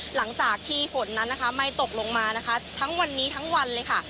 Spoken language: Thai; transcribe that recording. หลังจากที่ฝนนั้นนะคะไม่ตกลงมานะคะทั้งวันนี้ทั้งวันเลยค่ะ